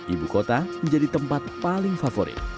ibu kota menjadi tempat paling favorit